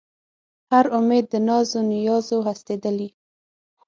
هر اُمید د ناز و نیاز و هستېدلی